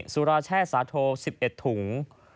สุราแช่สาโท๑๑ถุง